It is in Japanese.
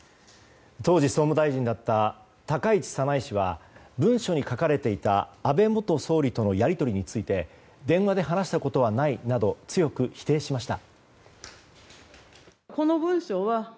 当時、総務大臣だった高市早苗氏は文書に書かれていた安倍元総理とのやりとりについて電話で話したことはないなど強く否定しました。